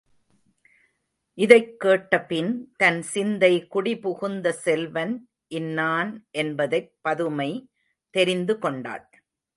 இதைக் கேட்டபின் தன் சிந்தை குடி புகுந்த செல்வன் இன்னான் என்பதைப் பதுமை தெரிந்து கொண்டாள்.